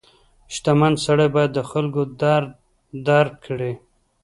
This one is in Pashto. • شتمن سړی باید د خلکو درد درک کړي.